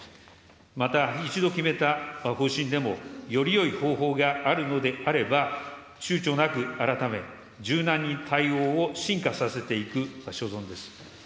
また一度決めた方針でも、よりよい方法があるのであれば、ちゅうちょなく改め、柔軟に対応を進化させていく所存です。